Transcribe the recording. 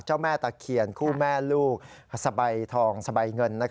เจ้าแม่ตะเคียงคู่แม่ลูกสะใบทองสะใบเงิน